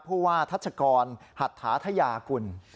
พูดว่าทัชกรหัตถาทยาคุณ